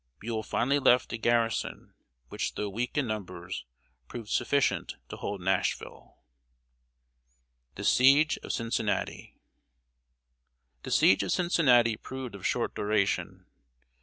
Buell finally left a garrison, which, though weak in numbers, proved sufficient to hold Nashville. [Sidenote: "THE SIEGE OF CINCINNATI."] The siege of Cincinnati proved of short duration.